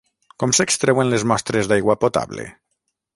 Com s'extreuen les mostres d'aigua potable?